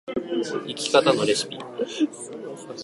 生き方のレシピ